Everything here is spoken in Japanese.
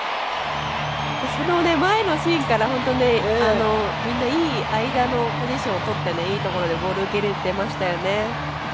前のシーンから、本当にみんないい間のポジションをとっていいところでボール受けれてましたね。